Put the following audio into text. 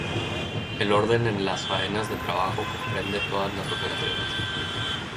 El orden en las faenas de trabajo comprende todas las operaciones.